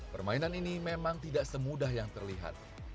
permainan ini memang tidak semudah yang terlihat